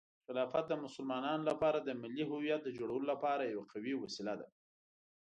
خلافت د مسلمانانو لپاره د ملي هویت د جوړولو لپاره یوه قوي وسیله ده.